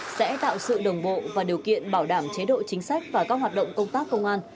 sẽ tạo sự đồng bộ và điều kiện bảo đảm chế độ chính sách và các hoạt động công tác công an